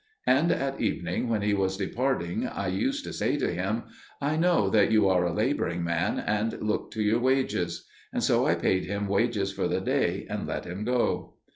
And at evening, when he was departing, I used to say to him, "I know that you are a labouring man, and look to your wages." And so I paid him wages for the day and let him go.